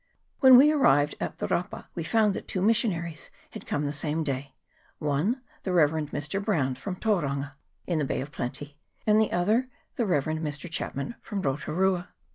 When we arrived in the Rapa, we found that two missionaries had come the same day : one, the Rev. Mr. Brown, from Tauranga, in the Bay of Plenty; and the other, the Rev. Mr. Chapman, from Rotu rua.